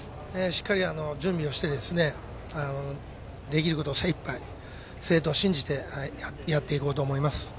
しっかり準備をしてできることを精いっぱい生徒を信じてやっていこうと思います。